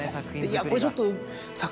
「いやこれちょっと」。